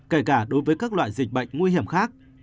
kể cả đối với các loại dịch bệnh nguy hiểm khác